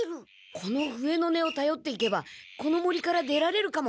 この笛の音をたよっていけばこの森から出られるかも！